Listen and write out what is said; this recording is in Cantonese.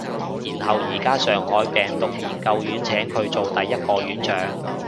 然後而家上海病毒研究院請佢做第一個院長